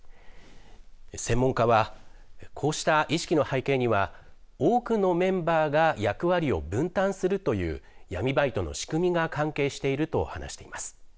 専門家はこうした意識の背景には多くのメンバーが役割を分担するという闇バイトの仕組みが関係していると話しています。